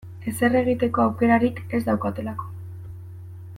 Ezer egiteko aukerarik ez daukatelako.